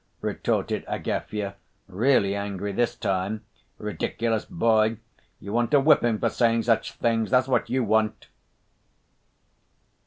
retorted Agafya, really angry this time. "Ridiculous boy! You want a whipping for saying such things, that's what you want!"